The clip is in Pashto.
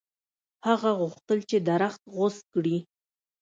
هغه غوښتل چې درخت غوڅ کړي.